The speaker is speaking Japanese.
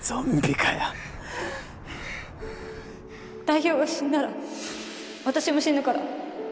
代表が死んだら私も死ぬから。